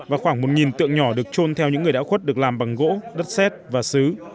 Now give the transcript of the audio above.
và khoảng một tượng nhỏ được trôn theo những người đã khuất được làm bằng gỗ đất xét và xứ